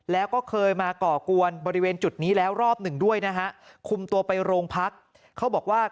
แล้วก็เคยมาก่อกวนบริเวณจุดนี้แล้วรอบหนึ่งด้วยนะฮะคุมตัวไปโรงพักเขาบอกว่า